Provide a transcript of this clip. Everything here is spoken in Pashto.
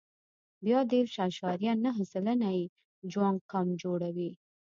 بیا دېرش اعشاریه نهه سلنه یې جوانګ قوم جوړوي.